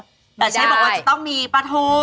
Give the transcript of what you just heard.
ไม่ได้แต่เชฟบอกว่าจะต้องมีปลาทู